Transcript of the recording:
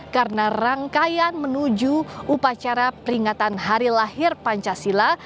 karena rangkaian menuju upacara peringatan hari lahir pancasila